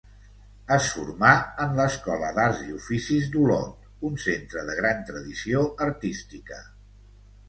Es formà en l'Escola d'Arts i Oficis d'Olot, un centre de gran tradició artística.